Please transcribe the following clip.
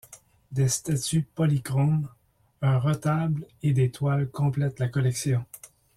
Des statues polychromes, un retable et des toiles complètent la collection.